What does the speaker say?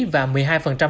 và một mươi hai theo năm